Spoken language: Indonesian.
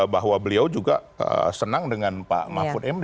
bahwa beliau juga senang dengan pak mahfud md